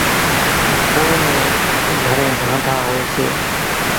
ڪونئين نين گھرين ڍانڍا هوئيَ سي۔